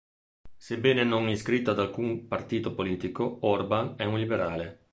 Sebbene non iscritto ad alcun partito politico, Orban è un liberale.